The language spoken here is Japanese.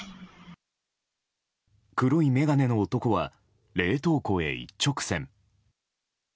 黒い眼鏡の男は冷凍庫へ一直線。